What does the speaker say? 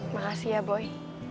makasih ya boy